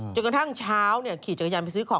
จนกระทั่งเช้าขี่จักรยานไปซื้อของ